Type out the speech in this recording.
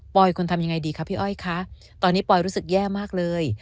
ควรทำยังไงดีคะพี่อ้อยคะตอนนี้ปอยรู้สึกแย่มากเลย